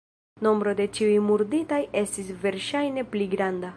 Nombro de ĉiuj murditaj estis verŝajne pli granda.